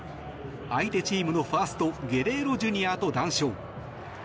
相手チームのファーストゲレーロＪｒ．と談笑。